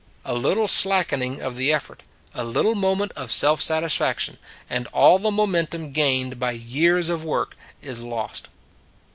A little slackening of the effort; a little moment of self satisfaction, and all the momentum gained by years of work is lost.